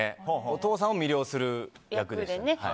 お父さんを魅了する役でした。